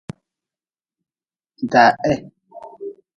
Da he.